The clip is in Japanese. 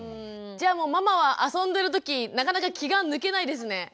じゃあもうママは遊んでる時なかなか気が抜けないですね。